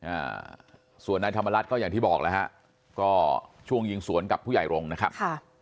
อ่าส่วนนายธรรมรัฐก็อย่างที่บอกแล้วฮะก็ช่วงยิงสวนกับผู้ใหญ่รงค์นะครับค่ะ